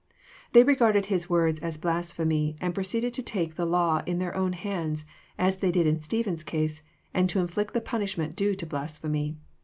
They regarded His words as blasphemy, and proceeded to take the law in their own hands, as they did in Stephen*s case, and to inflict the punishment due to blasphemy.